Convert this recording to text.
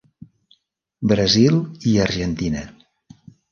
Brasil i Argentina.